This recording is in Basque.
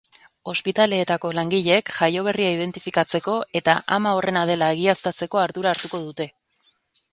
Ospitaleetako langileek jaioberria identifikatzeko eta ama horrena dela egiaztatzeko ardura hartuko dute.